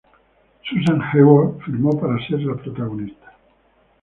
Susan Hayward firmó para ser la protagonista.